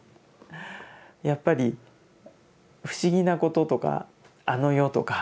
やっぱり不思議なこととかあの世とか。